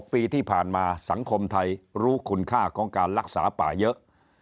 ปีที่ผ่านมาสังคมไทยรู้คุณค่าของการรักษาป่าเยอะ